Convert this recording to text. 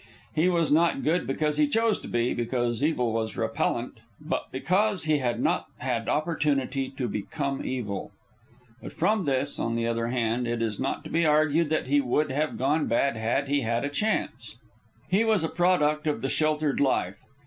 He was not good because he chose to be, because evil was repellant; but because he had not had opportunity to become evil. But from this, on the other hand, it is not to be argued that he would have gone bad had he had a chance. He was a product of the sheltered life.